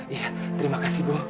iya terima kasih bu